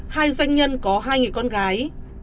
hai doanh nhân có hai người con gái